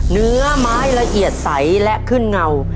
เนื้อไม้ละเอียดใสและขึ้นเงา